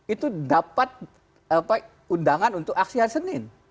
itu dapat undangan untuk aksi hari senin